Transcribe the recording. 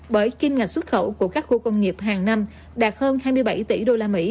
bởi kim ngạch xuất khẩu của các khu công nghiệp hàng năm đạt hơn hai mươi bảy tỷ usd